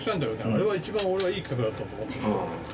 あれは一番俺はいい企画だったと。